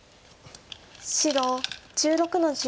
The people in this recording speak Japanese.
白１６の十。